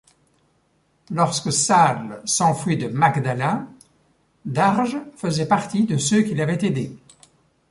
Lorsque Sahle s'enfuit de Magdala, Darge faisait partie de ceux qui l’avaient aidé.